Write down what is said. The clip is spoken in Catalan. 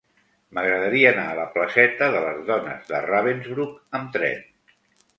M'agradaria anar a la placeta de les Dones de Ravensbrück amb tren.